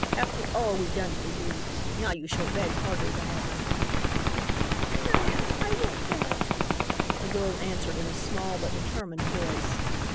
After all we done for you. Now you shall beg harder than ever." "No, I won't beg," the girl answered in a small but determined voice.